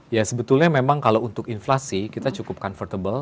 ya sebetulnya memang kalau untuk inflasi kita cukup comfortable